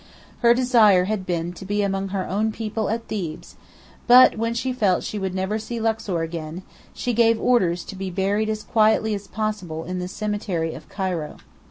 Her desire had been to be among her 'own people' at Thebes, but when she felt she would never see Luxor again, she gave orders to be buried as quietly as possible in the cemetery at Cairo.